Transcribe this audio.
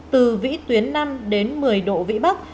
từ vĩ tuyến năm đến một mươi độ vĩ bắc